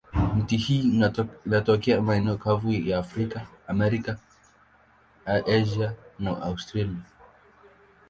Miti hii inatokea maeneo kavu ya Afrika, Amerika, Asia na Australia.